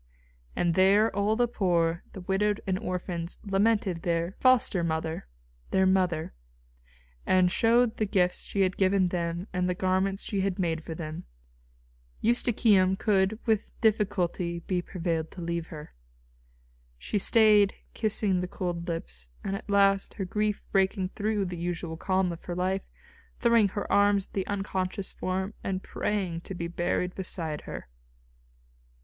And there all the poor, the widowed and orphans lamented "their foster mother," "their mother," and showed the gifts she had given them and the garments she had made for them. Eustochium could with difficulty be prevailed to leave her. She stayed kissing the cold lips, and at last, her grief breaking through the usual calm of her life, throwing her arms about the unconscious form and praying to be buried beside her.